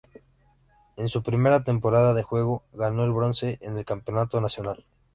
En su primera temporada de juego, ganó el bronce en el campeonato nacional.